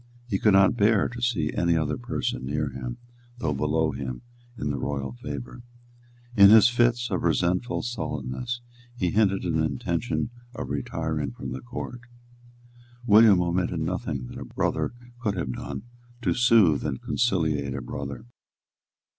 He could not bear to see any other person near him, though below him, in the royal favour. In his fits of resentful sullenness, he hinted an intention of retiring from the Court. William omitted nothing that a brother could have done to soothe and conciliate a brother.